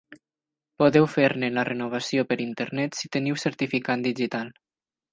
Podeu fer-ne la renovació per internet si teniu certificat digital.